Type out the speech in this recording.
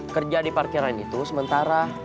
kerja di parkiran itu sementara